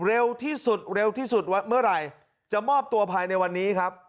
เร็วที่สุดเร็วที่สุดเมื่อไหร่จะมอบตัวภายในวันนี้ครับ